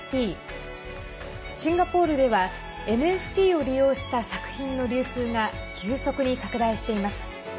シンガポールではＮＦＴを利用した作品の流通が急速に拡大しています。